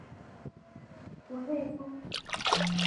博内丰。